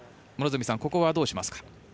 両角さん、ここはどうしますか。